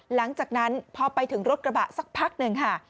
หลังจากนั้นพอไปถึงรถกระบะสักพักหนึ่งค่ะ